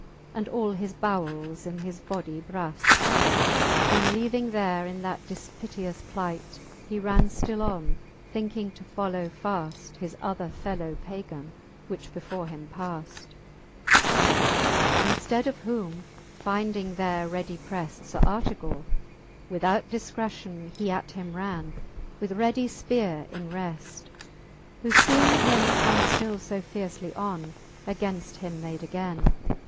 And all his bowels in his body braft: Whom leaving there in that difpiteous plight, He ran ftill on, thinking to follow faft His othsr fellow Pagan, which before him paft. IX. In 120 7he fifth Bookeof^ Capto VIIL IX. In Head of whom finding there ready preft Sir Artegall^ without difcretion He at him ran, with ready fpeare in reft,; Who feeing him come ftill fo fiercely on, Againft him made againe.